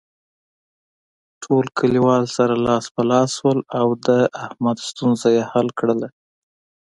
ټول کلیوال سره لاس په لاس شول او د احمد ستونزه یې حل کړله.